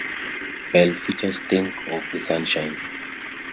Bell features "Think of the Sunshine".